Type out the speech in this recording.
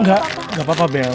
nggak gak apa apa bel